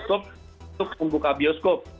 untuk membuka bioskop